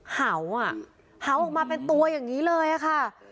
เห่าอ่ะเห่าออกมาเป็นตัวอย่างนี้เลยค่ะ